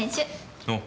おう。